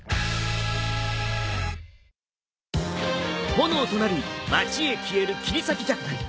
炎となり町へ消える切り裂きジャック。